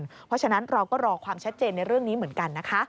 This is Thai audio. เพราะฉะนั้นเราก็รอความชัดเจนในเรื่องนี้เหมือนกันนะคะ